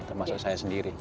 termasuk saya sendiri